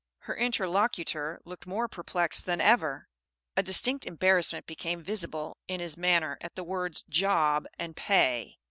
Her interlocutor looked more perplexed than ever. A distinct embarrassment became visible in his manner at the words "job" and "pay."